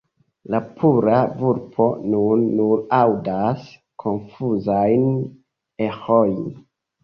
La pura vulpo nun nur aŭdas konfuzajn eĥojn.